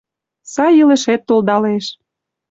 Сай илышет толдалеш.